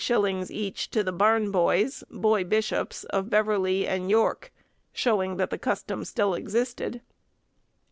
_ each to the barne bishops (boy bishops) of Beverley and York, showing that the custom still existed.